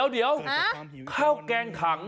เดี๋ยวข้าวแกงถัง